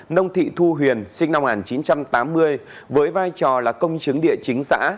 nông thị thu huyền sinh năm một nghìn chín trăm tám mươi với vai trò là công chứng địa chính xã